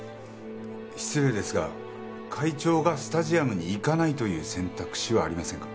失礼ですが会長がスタジアムに行かないという選択肢はありませんか？